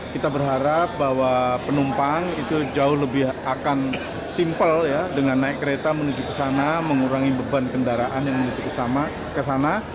kita berharap bahwa penumpang itu jauh lebih akan simpel dengan naik kereta menuju ke sana mengurangi beban kendaraan yang menuju ke sana